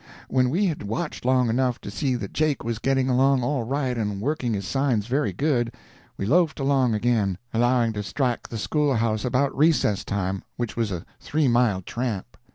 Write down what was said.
When we had watched long enough to see that Jake was getting along all right and working his signs very good, we loafed along again, allowing to strike the schoolhouse about recess time, which was a three mile tramp.